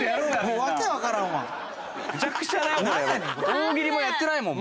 大喜利もやってないもん